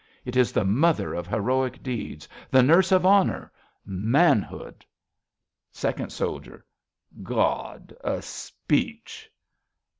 It is the mother of heroic deeds, The nurse of honour, manhood. Second Soldier. God, a speech